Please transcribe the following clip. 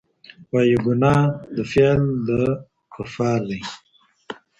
وايي ګناه ده فعل د کفار دی.